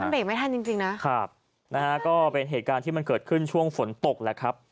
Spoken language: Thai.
เบรกไม่ทันจริงจริงนะครับนะฮะก็เป็นเหตุการณ์ที่มันเกิดขึ้นช่วงฝนตกแหละครับ